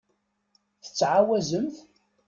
Tettɛawazemt?